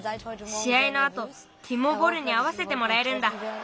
しあいのあとティモ・ボルにあわせてもらえるんだ。